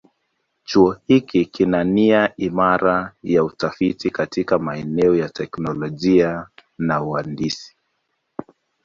Chuo hiki kina nia imara ya utafiti katika maeneo ya teknolojia na uhandisi.